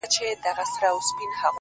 په دغه خپل وطن كي خپل ورورك!